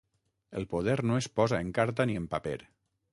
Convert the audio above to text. El poder no es posa en carta ni en paper.